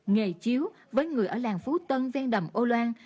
nghề chiếu với người ở làng phú tân ven đầm âu loan